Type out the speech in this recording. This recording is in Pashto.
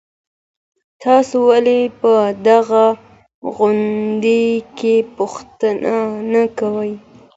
تاسو ولي په دغه غونډې کي پوښتنه نه کوئ؟